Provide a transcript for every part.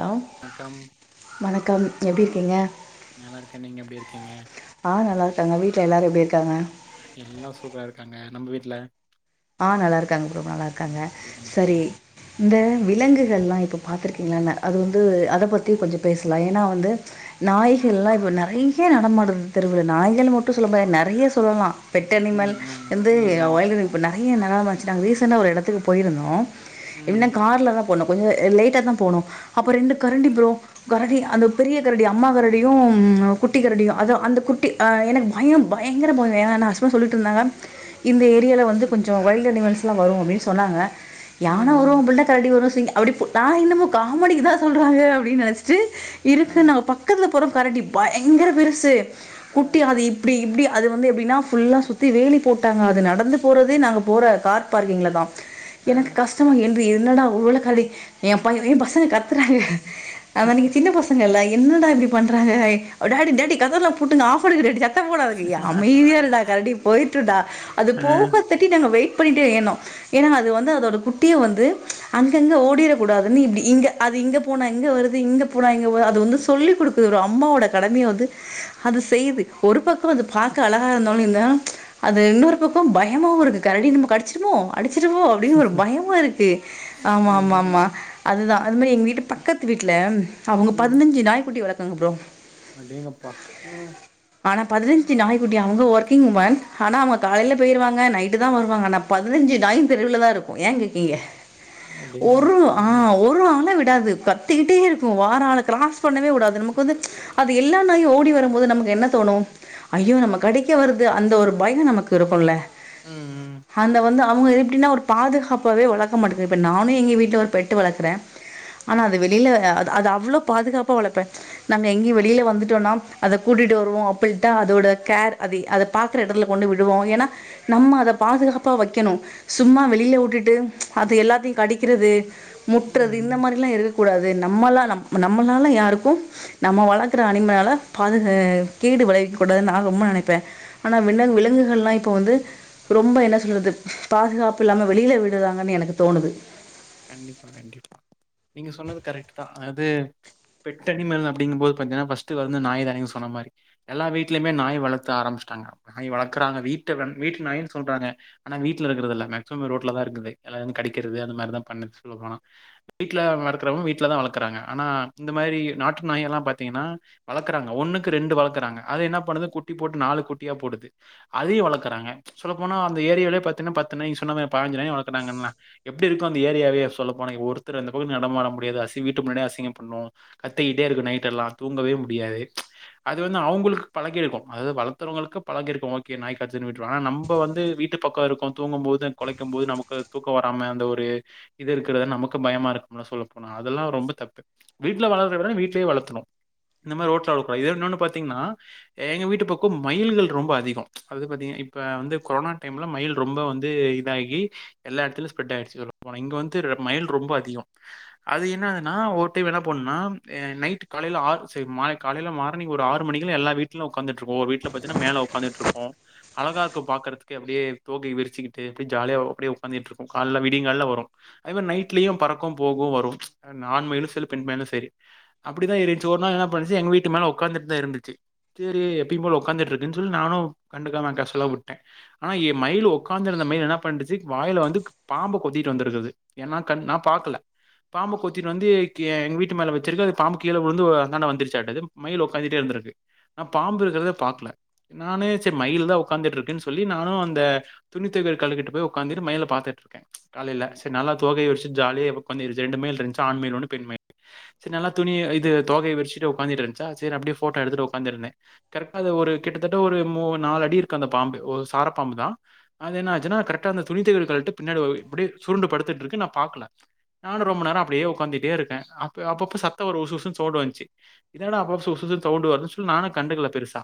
Hello வணக்கம் வணக்கம் எப்டி இருக்கிங்க நல்லாருக்கே நீங்க எப்டி இருக்கிங்க ஆ நல்லாருக்காங்க வீட்ல எல்லாரு எப்டி இருக் எல்லா சூப்பரா இருக்காங்க நம்பு வீட்ல ஆ நல்லாருக்காங்க ப்ரொ நல்லாருக்காங்க ஓகே ஓகே சரி இந்த விலங்குகள்லா இப்போ பாத்துருக்கிங்ளான அது வந்து அத பத்தி கொஞ்ச பேசலா ஏனா வந்து நாய்கள்லா இப்ப நெறைய நடமாடுது தெருவுல நாய்கள் மட்டு சொல்ல முடியாது நெறைய சொல்லலா பெட் ம் அனிமல் ம் வந்து ம் ம் வைல்ட் அனிம நெறைய நெல வச்சுட்டாங்க ரீசெண்ட்டா ஒரு எடத்துக்கு போயிருந்தோ ம் இன்ன கார்லதா போனோ கொஞ்ச லேட்டாதா போணோ அப்போ ரெண்டு கரடி ப்ரோ கரடி அந்த பெரிய கரடி அம்மா கரடியும் குட்டி கரடியு அத அந்த குட்டி எனக்கு பய பயங்கர பய ஏனா எ ஹஸ்பண்ட் சொல்லிட்ருந்தாங்க இந்த ஏரியால வந்து கொஞ்ச வைல்டு அனிமல்ஸ்லா வரு அப்டின் சொன்னாங்க ம் யான வரு ம் அப்டில்னா கரடி வரு அப்டி நா என்னமோ காமெடிக்குதா சொல்றாங்க அப்டின் நெனச்சிட்டு இருக்கு நாங்க பக்கத்துல போரு கரடி பயங்கர பெருசு குட்டியாது இப்பிடி இப்பிடி அது வந்து எப்படின்னா ஃபுல்லா சுத்தி வேலி போட்டாங்க அது நடந்து போறத் து நாங்க போற கார் பார்க்கிங்ல தா எனக்கு ம் கஷ்டமா என் என்னடா உலகளிக் ஏ பய ஏ பசங்க கத்துறாங்க அதா நீங்க சின்ன பசங்கெல்ல என்னடா இப்புடி பண்றாங்க டாடி டாடி கதவெல்லா பூட்டுங்க ஆஃப் பண்ணுங்க டாடி சத் த்த போடாதிங்க ஏ அமைதியா இருடா கரடி போயிட்டுன்டா அது போவ் [unintelligible] நாங்க வெய்ட் பண்ணிடே ஏர்னோ ஏன்னா அது வந்து அதோட குட்டியு வந்து ப்ச் அங்கங்க ஓடிறக் கூடாதுன் இப்டி இங்க அது இங்கப் போனா இங்க வருது இங்க போனா இங்க ஒ அது வந்து சொல்லிக் குடுக்குது அம்மாவோடக் கடமைய வந்து அது செய்து ஒரு பக்கோ அது பாக்க அழகா இருந்தாலு இந்த ப்ச் அது இன்னோரு பக்கோ பய் பயமாவு இருக்கு கரடி நம்ம கடிச்சிருமோ அடிச்சிருவோ அப்டின் ஒரு பயமா இருக்கு ஆம் ஆம் ஆம் ம் ம் ஆமா அதுதா அதுமாரி எங்க வீட்டு பக்கத்து வீட்ல அவுங்க ம் பதினஞ்சி நாய்குட்டி வளக் த்தாங்க ப்ரோ அடேங்கப்பா ஆ ஆனா பதினஞ்சி நாய்குட்டி அவுங்க ஒர்கிங்வுமன் ஆனா அவுங்க காலைல பெயிர்வாங்க க நைட்டு தா வருவாங்க ஆனா பதினஞ்சி நாயு தெருவுல தா இருக்கு ஏங்கேக்கீங்க ஒரு அடேங்கப்பா ஆ ஒரு ஆள விட் டாது கத் திக்கிட்டே இருக்கு வார ஆள கிராஸ் பண்ணவே உடாது நமக்கு வந்து ப்ச் அது எல்லா நாயு ஓடி வரும்போது நமக்கு என்ன தோணு ஐயோ நம்ம கடிக்க வருது அந்த ஒரு பயோ நமக்கு இருக்குல்ல ம் ம் அந்த வந்து அவுங்க எப்டின்னா ஒரு பாதுகாப்பாவே வளக்க மாட்டுகு இப்ப நானு எங்க வீட்ல ஒரு பெட்டு வளக்குறே ஆனா அது வெளியில அது அது அவ்ளோ பாதுகாப்பா வளப்பே நாங்க எங்கியு வெளியில வந்துட்டோனா அத கூட்டிட்டு வருவோ அப்பில்ட்டா அதோட கேர் அதி அதப் பாக்குற எடத்ல கொண்டு விடுவோ ஏன்னா நம்ம அத பாதுகாப்பா வெக்கணு சும்மா வெளியில உட்டுட்டு ப்ச் அது எல்லாத்தியு கடிக்கிறது ம் முட்றது ம் இந்த மாரில்லா எது கூடாது நம்மலால் நம் நம்மளால யாருக்கு நம்ம வளக்குற அனிமலால பாதுகே கேடு விளைவிக் கூடாது நா ரொம்ப நெனைப்பே ஆனா விலங் விலங்குகளெல்லா இப்போ வந்து ரொம்ப என்ன சொல்றது பாதுகாப்பு இல்லாம வெளியில விடுறாங்கனு எனக்கு தோணுது கண்டிப்பா கண்டிப்பா நீங்க சொன்னது கரெட்டு தா அது பெட்டணிமல் அப்டிங் போது பாத்தீன்னா ஃபஸ்ட் வந்து நாய்தா நீங்க சொன்ன மாரி எல்லார் வீட்லியுமே நாய் வளத்து ஆரம்பிஸ்ட்டாங்க நாய் வளக்குறாங்க வீட்டு ரன் வீட்டு நாய்ன்னு சொல்றாங்க ஆனா வீட்ல இருக்குறதில்ல மேக்சிமம் ரோட்லதா இருக்குது எல்லாரையு வந்து கடிக்கிறது அது மாரிதா பண்ணிச்சி சொல்லபோனா வீட்ல வர்க்றவங்க வீட்ல தா வளக்கறாங்க ஆனா இந்த மாரி நாட்டு நாயெல்லா பாத்தீங்கன்னா வளக்கறாங்க ஒன்னுக்கு ரெண்டு வளக்குறாங்க அத என்ன பண்ணது குட்டி போட்டு நாலு குட்டியா போடுது அதியு வளக்குறாங்க சொல்ல போனா அந்த ஏரியாவிலே பாத்தினா பத்து நாயி சொன்னாமேர் பாஞ்ச் நாய் வளத்துட்டாங்கங்ளா எப்டி இருக்கு இந்த ஏரியாவே சொல்லப்போனா ஒருத்தர் அந்தப் பக்க நடமாட முடியாது அசி வீட்டு முன்னேடி அசிங்கம் பண்ணு கத்தக்கிட்டே இருக்கு நைடெல்லா தூங்கவே முடியாது ப்ச் அது வந்து அவுங்குளுக்கு பழகிருக்கு அதாவது வளத்தரவங்களுக்கு பழகிருக்கு ஓகே நாய் கடிச்சதுன் விட்டுருவாங் ஆனா நம்ப வந்து வீட்டு பக்கோ இருக்கோ தூங்கும் போது கொலைக்கு போது நமக்கு தூக்க வராம அந்த ஒரு இது இருக்கிறத நமக்கு பயமா இருக்கும்ல சொல்லப்போனா அதெல்லா ரொம்ப தப்பு வீட்ல வளர்ரத விட வீட்லேயே வளத்தணு இந்த மார் ரோட்ல வளக்க கூடாத் இது இன்னொன்னு பாத்தீங்கன்னா எங்க வீட்டு பக்கோ மயில்கள் ரொம்ப அதிகோ அது பாத்தீங் இப்ப வந்து கொரோனா டைம்ல மயில் ரொம்ப வந்து இதாகி எல்லா எடத்திலு ஸ்பிரெட் ஆயிடுச்சு இங்க வந்து ரெ மயில் ரொம்ப அதிகோ அது என்னதுன்னா ஒரு டைம் என்னா போண்னா ஏ நைட்டு காலைல ஆறு சேர் மார் காலேல மார்னிங் ஒரு ஆறு மணக்கிலா எல்லா வீட்லு உக்காந்துட்டு இருக்கு ஒரு வீட்டுல பாத்தின்னா மேல உக்காந்துட்டு இருக்கு அழகா இருக்கு பாக்குறதுக்கே அப்டியே தோகை விரிச்சிக்கிட்டே அப்டியே ஜாலியா அப்டியே உக்காந்திகிட் இருக்கு கால்ல வீட் விடிங்கால்ல வரு அது மேர் நைட்லியு பறக்கு போகு வரு ஆண் மயிலு செரி பெண் மயிலு செரி அப்புடிதா ஏரிடிச்சி ஒர்னாள் என்னா பண்ணிச்சி எங்க வீட்டு மேல ஒக்காந்துட்தா இருந்திச்சி சேரி எப்பியும்போல ஒக்காந்திட்ருக்குனு சொல் நானு கண்டுகாம கேஷ்வுல்லா உட்டே ஆனா ஏ மயிலு ஒக்காந்திருந்த மயிலு என்னா பண்ட்டிச்சி வாயில வந்து பாம்பு கொத்திட்டு வந்திருக்குது ஏன்னா கண் நா பாக்கல பாம்பு கொத்திட்டு வந்து கே எங்க வீட்டு மேல வச்சிருக்கு அது பாம்பு கீழ உழுந்து ஆ அந்தாண்ட வந்துருச்சாட்டது மயில் ஒக்காந்துட்டே இருந்திருக்கு நா பாம்பு இருக்கிறத பாக்ல நானே செரி மயில் தா உக்காந்துட்டு இருக்குன் சொல்லி நானும் அந்த துணித்தொவை கள்ளுக்கிட்ட போய் ஒக்காந்துட்டு மயிலை பாத்துட்டு இருக் காலேல செர் நல்லா தோகையை விரிச்ட்டு ஜாலியா எப்பக் வந்து ஏரிச்சி ரெண்டு மயில் இருந்த்ச்சி ஆண் மயில் ஒன்னு பெண் மயில் சேர் நல்லா துணி இது தோகைய விரிச்சிட்டு ஒக்காந்துட்டு இருந்த்ச்சா சேரி அப்டியே போட்டோ எடுதுட்டு ஒக்காந்துருந்தே கரெட்டா அது ஒரு கிட்டத்தட்ட ஒரு மூன் நால்லடி இருக்கு அந்த பாம்பு ஒரு சார பாம்பு தா அதென்னாச்சுன்னா கரெட்டா அந்த துணி தொவக்கிற கள்டப் பின்னாடி ஓ இப்டியே சுருண்டு படுத்துட்ருக்கு நா பாக்கல நானு ரொம்ப நேரோ அப்டியே ஒக்காந்துட்டே இருக்கே அப்ப அப்பப்போ சத்த வரு உசு உசுனு சௌண்டு வந்த்ச்சி இதனென்னா அப்பப் உசு உசுனு சௌண்டு வர்துன் சொல்லி நானு கண்டுக்கில பெருசா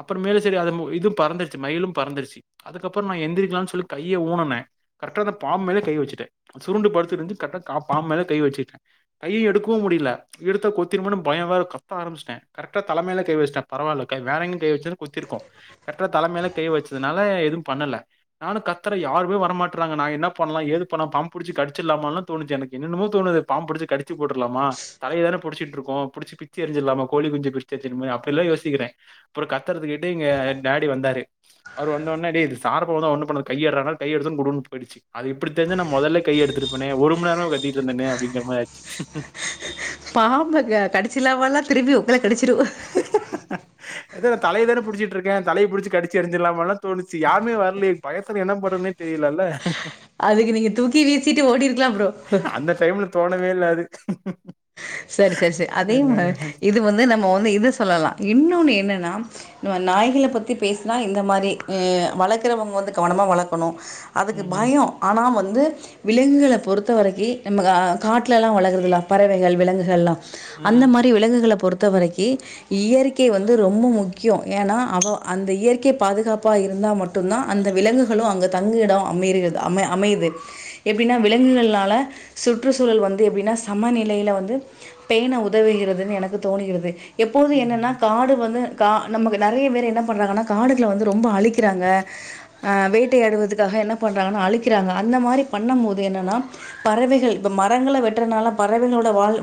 அப்புறோ மேல் செரி அது இது பறந்திருச்சி மயிலு பறந்துருச்சு அதுக்கப்புறோ நா எந்திரிக்கலானு சொல்லி கையை ஊனுனே கரெட்டா அந்த பாம்ப் மேல கை வெச்சுடே சுருண்டு படுத்துருந்த்ச் கரெட்டா காப் பாம்பு மேல கை வச்சிட்டே கை எடுக்கவு முடியில எடுத்தா கொத்திரும்மோனு பயோ வேறக் கத்த ஆரம்பிச்ட்டே கரெட்டா தல மேல கை வச்ட்டே பரவால்ல கை வேற எங்கு கை வச் சாக் கொத்திருக்கும் கர்ட்டா தல மேலக் கை வச்சதுனால எதும் பண்ணல நானும் கத்தற யாருமே வரமாட் றாங்க நாங்க என்னாப் பண்லாம் ஏது பண்ணாம் பாம்ப் புடிச்சு கடிச்சிட்லாமான்லாம் தோனிச்சி எனக்கு என்னெனமோ தோணுது பாம்ப் புடிச்சி கடிச்சிப் போட்றலாமா தலய வேற புடிச்சிட்ருக்கோம் புடிச்சி பிச்சி எரிஞ்சிர்லாமா கோழி குஞ்சி பிரிச்சி எத்திர் மாரி அப்டில்லா யோசிக்கிறேன் அப்புறோ கத்தறது கேட்டு எங்க டேடி வந்தாரு அவரு வந்த ஒட்னே டே சார் பாம்புதா ஒன்னு பண்ணாது கைய எட்றான்னாறு கைய எடுத்தோனு குடுகுடுன் பெய்டிச்சி அது இப்பிடி தெரிஞ்சா நா மொதல்லே கையே எடுத்துருப்பேனே ஒரு மண் நேரம் கத்திட்ருந்தேனே அப்டிங்கிற மாரி ஆச்சி பாம்புங்க கடிச்சில்லாவால்லாம் திரும்பி ங்கள கடிச்சிரு எது நான் தலைய தானே புடிச்சட்டு இருக்கேன் தலைய புடிச்சு கடிச்சி ஏறிஞ்சிடலாமான்னு தோணுச்சு யாருமே வரலேயே பயத்துல என்ன பண்றதுனே தெரியலல அதுக்கு நீங்க தூக்கி வீசிட்டு ஓடிருக்கலாம் ப்ரோ அந்த [unintelligible] சரி சரி சரி அதே இது வந்து நம் நம்ம வந்து இது சொல்லலாம் இன்னொனு என்னென்னா நம்ம நாய்களை பற்றி பேசினா இந்த மாதிரி வளக்குறவங்க வந்து கவனமாக வளக்கணும் அதுக்கு ம், பயம் ஆனா வந் வந்து விலங்குகளை பொறுத்த வரைக்கும் நம்ம காட்டிலலாம் வளகறதல பறவைகள் விலங்குகள் எல்லாம் அந்த ம், மாரி விலங்குகளை பொறுத்து பொறுத்த வரைக்கும் இயற்கை வந்து ரொம்ப முக்கியம் ஏன்னா அவ அந்த இயற்கை பாதுகாப்பா இருந்தா மட்டும்தான் அந்த விலங்குகளும் அங்க தங்கு இடம் அமது அமை அமையுது எப்படின்னா விலங்குகளனால சுற்றுச்சூழல் வந்து எப்படின்னா சமநிலையில வந்து பேண உதவுகிறதுன்னு எனக்கு தோணுகிறது எப்போது என்னென்னா ம், காடு வந்து கா நமக்கு நிறைய பேர் என்ன பண்ணுறாங்கன்னா காடுகள வந்து ரொம்ப அழிக்கிறாங்க அஹ் வேட்டையாடுவதுக்காக என்ன பண்ணுறாங்கன்னா அழிக்கிறாங்க அந்த மாதிரி பண்ணு போது என்னென்னா பறவைகள் இப்போ மரங்கள வெட்டுறதுனால பறவைகளோட வாழ்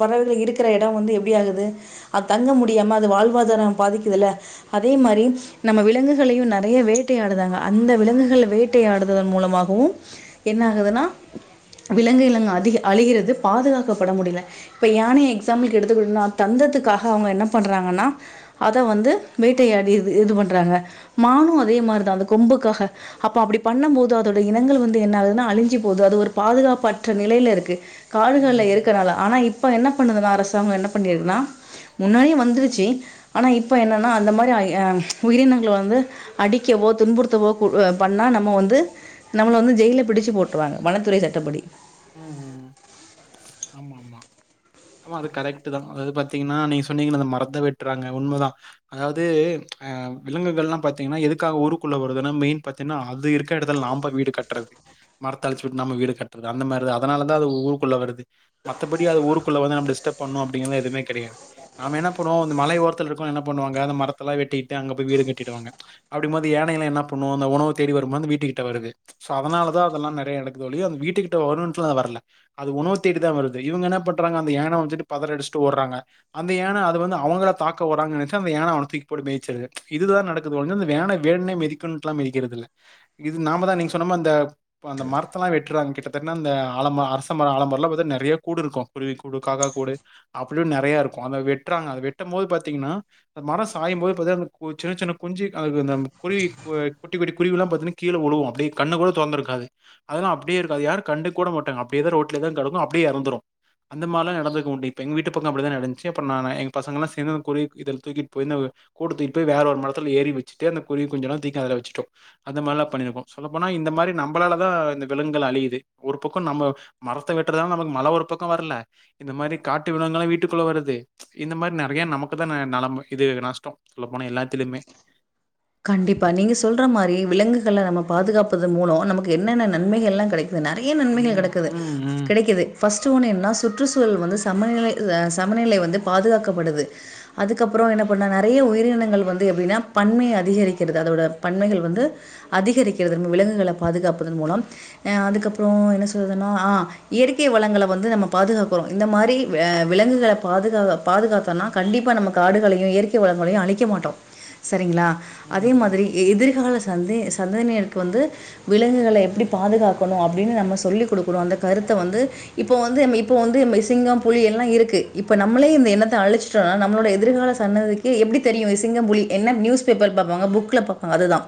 பறவைகள் இருக்கிற இடம் வந்து எப்படி ஆகுது அது தங்க முடியாம அது வாழ்வாதாரம் பாதிக்குதுல்ல அதே மாதிரி நம்ம விலங்குகளையும் நிறைய வேட்டையாடுறாங்க அந்த விலங்குகள் வேட்டையாடுதன் மூலமாகவும் என்ன ஆகுதுன்னா விலங்கு இனங்கள் அதிக அழிகிறது பாதுகாக் பட முடியல இப்ப யானய எக்ஸாம்பில் க்கு எடுத்துக்கிட்டனா தந்ததுக்காக அவங்க என்ன பண்றாங்கன்னா அதை வந்து வேட்டையாடி இது இது பண்றாங்க மானும் அதே மாதிரிதான் அந்த கொம்புக்காக அப்ப அப்படி பண்ணும் போது அதோட இனங்கள் வந்து என்ன ஆகுதுன்னா அழிஞ்சு போகுது அது ஒரு பாதுகாப்பற்ற நிலையில இருக்கு காடுகள்ல எரி ஆனால் இப்போ என்ன பண்ணுதுன்னா அரசாங்கம் என்ன பண்ணியிருக்குன்னா முன்னாடியே வந்துடுச்சு ஆனால் இப்போ என்னன்னா அந்த மாதிரி உயிரினங்கள் வந்து அடிக்கவோ துன்புறுத்துவோ பண்ணா நம்ம வந்து நம்மல வந்து ஜெய்ல்ல பிடிச்ச போட்டுருவாங்க வனத்துறை சட்டப்படி ஆமா ஆமா ஆமா அது கரெக்ட் தான் அதாவது பாத்தீங்கன்னா நீங்க சொன்னீங்கன்ன அந்த மரத்தை வெட்டுறாங்க உண்மைதான் அதாவது அஹ் விலங்குகள்லாம் பாத்தீங்கன்னா எதுக்காக ஊருக்குள்ள வருதுன்னா மெயின் பாத்தீங்கன்னா அது இருக்கிற இடத்துல நாம வீடு கட்டுறது மரத்தை அழிச்சு விட்டு நாம வீடு கட்டுறது அந்த மாரி அதனாலதான் அது ஊருக்குள்ளே வருது மத்தபடி அது ஊருக்குள்ள வந்து நம்பல டிஸ்டர்ப் பண்ணும் அப்பிடின்லாம் எதுமே கிடையாது நாம என்ன பண்ணுவோம் இந்த மலை ஓரத்தில் இருக்கவங்க என்ன பண்ணுவாங்க இந்த மரத்தலாம் வெட்டிகிட்டி ஆக போய் வீடு கட்டிடுவாங்க அப்பிடின்னும்போது யானைலாம் என்ன பண்ணும் உணவு தேடி வரும்போது வீட்டு கிட்ட வருது அதனால தான் அதெல்லாம் நெறய இறக்குது ஒழிய அது வீட்டுகிட்ட வேணுட்டுல வரல அது உணவு தேடி தான் வருது இவங்க என்ன பண்றாங்க அந்த யானை வன்ச்சுனு பதரி அடிச்சிட்டு ஓட்ராங்க அந்த யானை அது வந்து அவங்கள தாக்க ஓட்றாங்கனு நினச்சு அந்த யானை அவங்கள தூக்கி போட்டு மிதுச்சுர்து இது தான் நடக்குது ஒழிய அந்த யானை வேணுண்ணே மிதிக்கனுன்டுலா மிதிக்கிறது இல்ல இது நாம தான் நீங்க சொன்ன மாதிரி இந்த மரத்தலா வெட்றவங்க கிட்ட [unintelligible] அந்த ஆலமர அரச மர ஆலமரம்ல்லாம் பார்த்தா நிறைய கூடு இருக்கும் குருவி கூடு காக்கா கூடு அப்படியும் நிறையா இருக்கும் அத வெட்டுறாங்க அதை வெட்டும் போது பாத்தீங்கன்னா மரம் சாயும்போது பாத்திங்கன்னா சின்ன சின்ன குஞ்சு அது அந்த குருவி குட்டி குட்டி குருவில்லாம் பாத்திங்கன்னா கீழ உழுவும் அப்படியே கண்ணு கூட துறந்து இருக்காது அதெல்லாம் அப்படியே இருக்கும் யாரு கண்டு கூட மாட்டாங்க அப்படியே தான் ரோட்லேயே தான் கிடக்கும் அப்பிடியே எறந்துடும் அந்த மாதிரிலாம் [unintelligible] இப்ப எங்கள் வீட்டு பக்கம் அப்படிதான் நடந்துச்சு அப்போ நான் எங்கள் பசங்கலாம் சேர்ந்து அந்த குருவி இத தூக்கிட்டு போய் இந்த கூட்ட தூக்கிட்டு போய் வேற ஒரு மரத்தில் ஏறி வச்சுட்டு அந்த குருவி குஞ்சலாம் தூக்கி அதல வச்சிட்டோம் அந்த மாதிரிலாம் பண்ணிருக்கோ சொல்ல போன இந்த மாதிரி நம்பளால தான் இந்த விலங்குகள் அழியிது ஒரு பக்கம் நம்ம மரத்தை வெட்டுறதால நமக்கு மழை ஒரு பக்கம் வரல இந்த மாதிரி காட்டு விலங்குல்லாம் வீட்டுக்குள்ள வருது இந்த மாதிரி நிறைய நமக்கு தான் ந நல இது நஷ்டம் சொல்ல கண்டிப்பா நீங்க சொல்ற மாதிரி விலங்குகள்ல நம்ம பாதுகாப்பதன் மூலம் நமக்கு என்னென்ன நன்மைகள்லாம் கிடைக்கும் நிறைய நன்மைகள் ம். கிடக்குது ம். ம். கிடைக்குது பஸ்ட் ஒன் என்னன்ன சுற்றுச்சூழல் வந்து சமநிலை சமநிலை வந்து பாதுகாக்கப்படுது அதுக்கப்புறம் என்ன பண்ண நிறைய உயிரினங்கள் வந்து இது எப்படினா பன்மைய அதிகரிக்கிறது அதோட பன்மைகள் வந்து அதிகரிக்கிறது விலங்குகளை பாதுகாப்பதன் மூலம் அதுக்கப்பறம் என்ன சொல்றதுனா அஹ் இயற்கை வளங்களை வந்து நம்ம பாதுக்காக்குறோம் இந்த மாதிரி விலங்குகளை பாதுக்காத்தம்னா கண்டிப்பா நாம காடுகளையும் இயற்கை வளங்களையும் அழிக்க மாட்டோம் சரிங்களா அதே ம். மாதிரி எதிர்கால சந்தே சந்தேதியினருக்கு வந்து விலங்குகளை எப்டி பாதுகாக்கணு அப்டினு நம்ம சொல்லிக்கொடுக்கனு. அந்த கருத்த வந்து இப்போ வந்து இப்ப வந்து நம்ம சிங்கம் புலி எல்லாம் இருக்கு இப்ப நம்மளே இந்த இனத்தை அழிச்சிட்டோம்னா நம்மளுடைய எதிர்கால சன்னதிக்கு எப்படி தெரியு சிங்கம் புளி என்ன நியூஸ் பேப்பர் பார்ப்பாங்க புக்ல பார்ப்பாங்க அதுதான்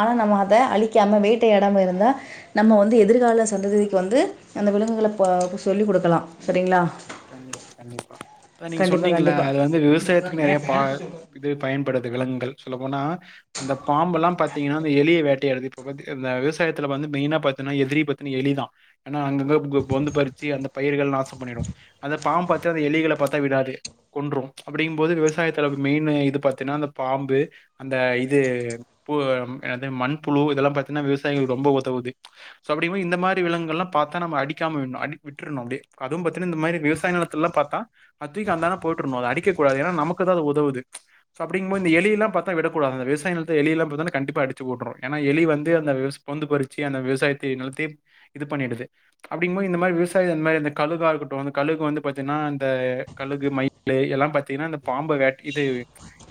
ஆனால் நம்ம அதை அழிக்காம வேட்டையாடாம இருந்தா நம்ம வந்து எதிர்கால சந்ததிக்கு வந்து அந்த விலங்குகள ப்பா சொல்லி குடுக்கலா செரிங்களா கண்டிப்பா கண்டிப்பா த நீங்க சொன்னீங்ள கண்டிப்பாக அது வந்து விவசாயத்துக்கு நெறைய பா இது பயன்படுது விலங்கல் சொல்ல போனால் அந்த பாம்பல்லாம் பாரத்தீங்கன்னா அந்த எலியை வேட்டையாடுது இப்போ பத்து பி இந்த விவசாயத்தில் வந்து மெயினா பார்த்தன்னா எதிரி பார்த்தன்னா எலிதான் ஏன்னா அங்கங்கே கொ பொந்து பறிச்சி அந்த பயிர்கள் நாசம்பண்ணிடும் பாம்ப் பார்த்தா அந்த எலிகளை பார்த்தா விடாது கொன்றும் ச் அப்படிங்கும் போது விவசாயத்தில மெயின் இது பாத்தினா அந்த பாம்பு அந்த இது பூ இன்னதுமண் புழு இதெல்லாம் பாத்தீனா விவசாயிகள்கு ரொம்ப ஒதவுது சோ அப்படிங்கும் போது இந்த மாதிரி விலங்குகலாம் நாம பார்த்தா அடிக்காம விடனும் விட்டுரனும் அப்படியே அதுவும் பாத் இந்த மாரி விவசாய நெலத்தெல்லா பாத்தா அதிக அந்தான போட்டறணு அத அடிக்கூடாது. ஏன்னா? நமக்கு தா அது உதவுது சோ அப்டிங்கும்போது இந்த எலியெல்லா பாத்தா விடக்கூடாது இந்த விவசாய நெலத்த எலியெல்லா பாத்தா கண்டிப்பா அடிச்சு போட்டரு ஏனா எலி வந்து அந்த விவசாய பொந்து பறிச்சு அந்த விவசாயத்தே நெலத்தியே இது பண்ணிடுது அப்டிங்கும் போது இந்த மாரி விவசாயத் இந்த மாரி கழுகா இருக்கட்டு அப்புறோ வந்து கழலுகு வந்து பாத்தீனா அந்த கழுகு மயிலு எல்லா பாத்தீனா இந்த பாம்பு வேட்டை இது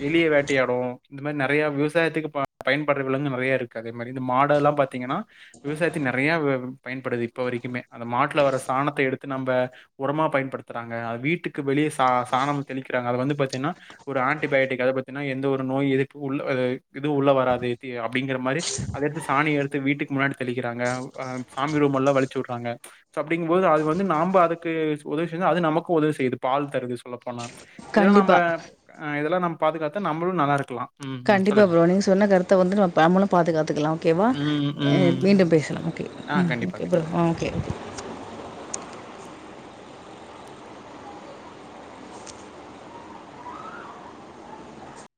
எலிய வேட்டையாடு இந்த மாரி நெறைய விவசாயத்துக்கு பயன் பயன்படுற விலங்கு நறைய இருக்கு அதே மாரி இந்த மாடல்லா பாத்தீங்கன்னா விவசாயத்துக்கு நெறையா வ்வ் பயன்படுது இப்ப வரிக்குமே அந்த மாட்டுல வர சாணத்தை எடுத்து நம்ப உரமா பயன்படுத்துறாங்க அது வீட்டுக்கு வெளியே சா சாணம் தெளிக்கறாங்க அதை வந்து பாத்தீனா ஒரு ஆன்டிபயோட்டிக் அதை ப்த்தீன்னா எந்த ஒரு நோய் எதிர்ப்பு உள்ள இதுவும் உள்ள வராது அப்படிங்கிற மாரி அதை எடுத்து சாணிய எடுத்து வீட்டுக்கு முன்னாடி தெளிக்கிறாங்கஹ சாமி ரூம்மெலாம் வலிச்சு வுடுறாங்க சோ அப்படிங்கும்போது அது வந்து நாம்ப அது அதுக்கு உதவி செய்தா அது நமக்கு உதவி செய்யுது பால் தருது சொல்லப்போன இதெல்லா நம்ம கண்டிப்பாக அ இதெல்லா நம் பாதுகாத்தா நம்பளு நல்லா இருக்கலா கண்டிப்பா ப்ரோ நீங்க சொன்ன கருத்த வந்து நம் நம்மளும் பாதுகாத்துக்கலா ஓகேவா? ம், அ ம். மீண்டும் பேசலாம். ஓகே ஆ ம் கண்டிப்பா, ஓகே ப்ரோ கண்டிப்பா. ம் ஓகே